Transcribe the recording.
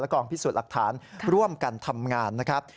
กองพิสูจน์หลักฐานร่วมกันทำงานนะครับ